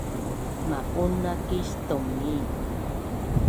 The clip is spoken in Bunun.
ma’un naakis taumii